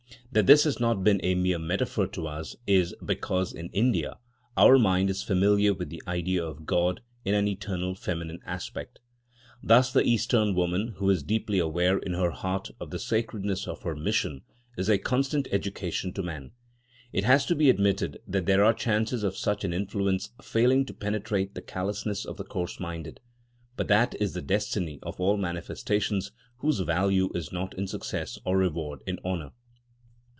That this has not been a mere metaphor to us is because, in India, our mind is familiar with the idea of God in an eternal feminine aspect. Thus the Eastern woman, who is deeply aware in her heart of the sacredness of her mission, is a constant education to man. It has to be admitted that there are chances of such an influence failing to penetrate the callousness of the coarse minded; but that is the destiny of all manifestations whose value is not in success or reward in honour.